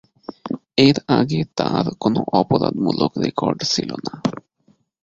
এর আগে তার কোন অপরাধমূলক রেকর্ড ছিল না।